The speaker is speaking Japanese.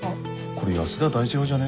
これ安田大二郎じゃね？